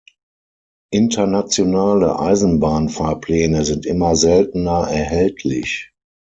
Internationale Eisenbahnfahrpläne sind immer seltener erhältlich.